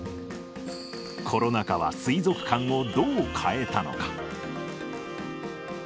コロナ禍は水族館をどう変えたのか。